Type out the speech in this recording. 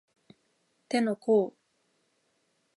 手の甲